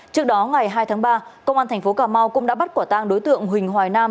trước đó ngày hai tháng ba công an tp cà mau cũng đã bắt quả tang đối tượng huỳnh hoài nam